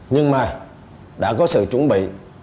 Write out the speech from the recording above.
nhưng mà đã có sự chuẩn bị